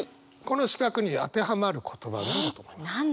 この四角に当てはまる言葉何だと思います？